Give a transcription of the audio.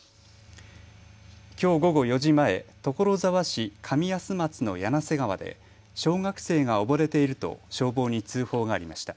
きょう午後４時前、所沢市上安松の柳瀬川で小学生が溺れていると消防に通報がありました。